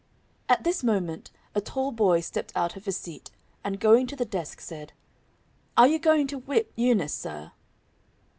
At this moment a tall boy stepped out of his seat, and going to the desk, said: "Are you going to whip Eunice, sir?"